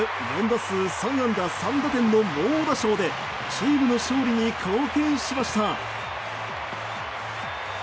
４打数３安打３打点の猛打賞でチームの勝利に貢献しました。